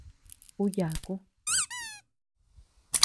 Ú yaku.